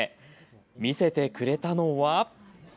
見せてくれたのは。